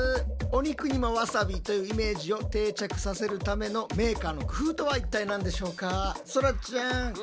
“お肉にもわさび”というイメージを定着させるためのメーカーの工夫とは一体何でしょうか？